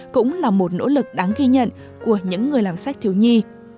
cũng là một nỗ lực đáng ghi nhận của những người làm sách thiếu nhi